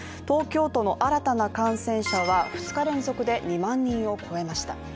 東京都の新たな感染者は２日連続で２万人を超えました。